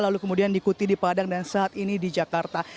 lalu kemudian diikuti di padang dan saat ini di jakarta